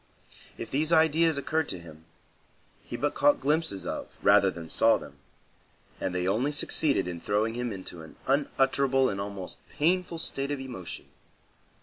If these ideas occurred to him, he but caught glimpses of, rather than saw them, and they only succeeded in throwing him into an unutterable and almost painful state of emotion.